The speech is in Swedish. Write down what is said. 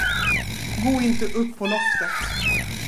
Gå inte upp på loftet.